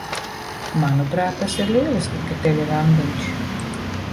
Manuprāt, tas ir lieliski, ka tev ir randiņš.